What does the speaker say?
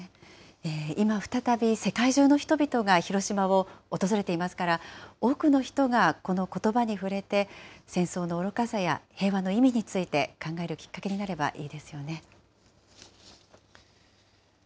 今再び、世界中の人々が広島を訪れていますから、多くの人がこのことばに触れて、戦争の愚かさや平和の意味について考えるきっかけになればいいですよね。